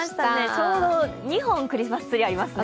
ちょうど２本クリスマスツリーがありますね。